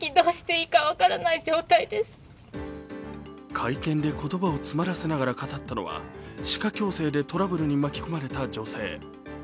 会見で言葉を詰まらせながら語ったのは歯科矯正でトラブルに巻き込まれた女性。